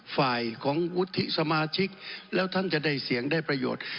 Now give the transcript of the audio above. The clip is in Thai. ฝ่ายของวุฒิสมาชิกแล้วท่านจะได้เสียงได้ประโยชน์